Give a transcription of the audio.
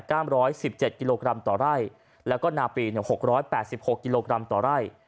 เก้ามร้อยสิบเจ็ดกิโลกรัมต่อไร่แล้วก็นาปีเนี้ยหกร้อยแปดสิบหกกิโลกรัมต่อไร่